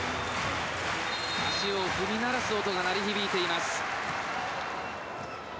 足を踏み鳴らす音が鳴り響いています。